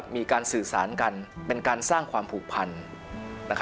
มีการสื่อสารกันเป็นการสร้างความผูกพัน